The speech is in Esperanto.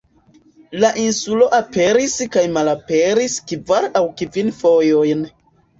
La insulo aperis kaj malaperis kvar aŭ kvin fojojn.